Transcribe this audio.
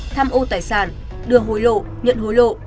tham ô tài sản đưa hối lộ nhận hối lộ